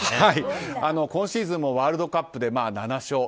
今シーズンもワールドカップで７勝。